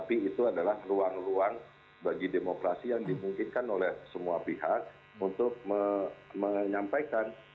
tapi itu adalah ruang ruang bagi demokrasi yang dimungkinkan oleh semua pihak untuk menyampaikan